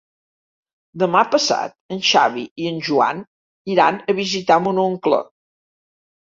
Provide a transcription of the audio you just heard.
Demà passat en Xavi i en Joan iran a visitar mon oncle.